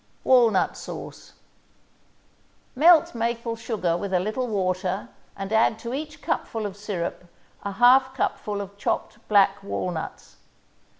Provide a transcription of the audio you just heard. WALNUT SAUCE Melt maple sugar with a little water, and add to each cupful of syrup a half cupful of chopped black walnuts.